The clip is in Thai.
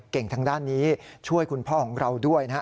เก่งทางด้านนี้ช่วยคุณพ่อของเราด้วย